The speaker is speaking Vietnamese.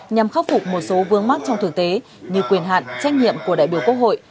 nhằm khắc phục một số vương mắc trong thực tế như quyền hạn trách nhiệm của đại biểu quốc hội